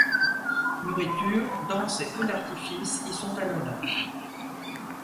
Nourriture, Danse et Feux d'artifices y sont à l'honneur.